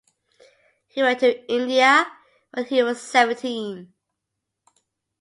He went to India when he was seventeen.